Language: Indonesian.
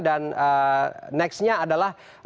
dan nextnya adalah